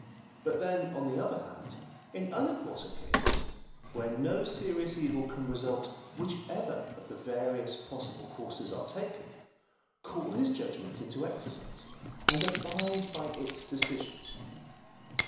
But then, on the other hand, in unimportant cases, where no serious evil can result whichever of the various possible courses are taken, call his judgment into exercise, and abide by its decisions.